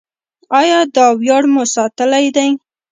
آیا دا ویاړ مو ساتلی دی؟